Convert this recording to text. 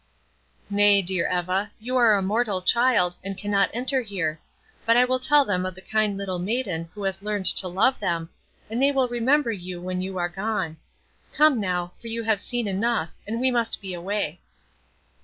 "Nay, dear Eva, you are a mortal child, and cannot enter here; but I will tell them of the kind little maiden who has learned to love them, and they will remember you when you are gone. Come now, for you have seen enough, and we must be away."